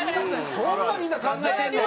そんなみんな考えてんの？